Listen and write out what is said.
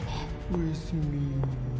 おやすみ。